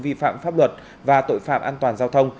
vi phạm pháp luật và tội phạm an toàn giao thông